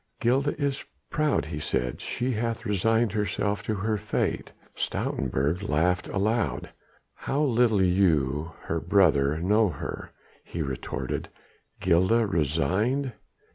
"Gilda is proud," he said. "She hath resigned herself to her fate." Stoutenburg laughed aloud. "How little you her own brother know her," he retorted. "Gilda resigned?